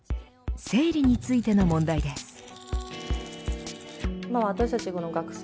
生理についての問題です。